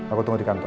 aku tunggu di kantor